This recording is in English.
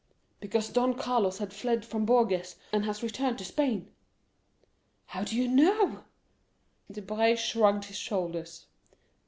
"Because Don Carlos has fled from Bourges, and has returned to Spain." 30203m "How do you know?" Debray shrugged his shoulders.